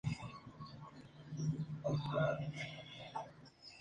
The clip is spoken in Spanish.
Fue director de la escuela teatral que lleva su nombre.